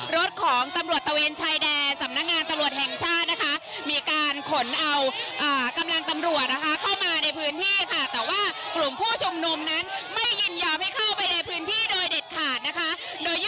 รถของตำรวจตะเวนชายแดนสำนักงานตำรวจแห่งชาตินะคะ